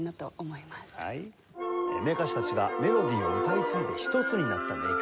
名歌手たちがメロディを歌い継いで一つになった名曲。